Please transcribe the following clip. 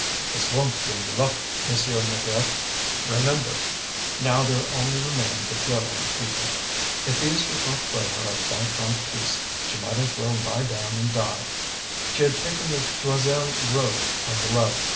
"This won't bring you luck, Monsieur Maigrat, remember!" Now there only remained the Piolaine people. If these would not throw her a five franc piece she might as well lie down and die. She had taken the Joiselle road on the left.